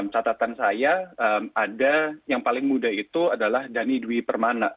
catatan saya ada yang paling muda itu adalah dhani dwi permana